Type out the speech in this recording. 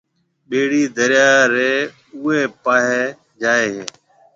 ٻِيڙِي دريا ريَ اُوئي پاهيَ جائي هيَ۔